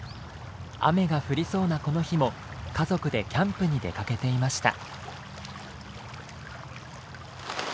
雨が降りそうなこの日も家族でキャンプに出かけていました。